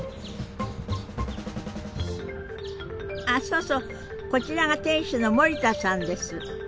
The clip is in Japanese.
あそうそうこちらが店主の森田さんです。